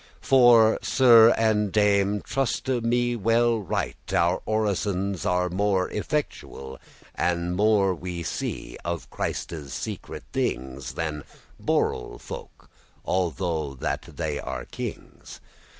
For, Sir and Dame, truste me right well, Our orisons be more effectuel, And more we see of Christe's secret things, Than *borel folk,* although that they be kings.